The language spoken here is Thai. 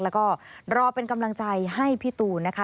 แล้วก็รอเป็นกำลังใจให้พี่ตูนนะคะ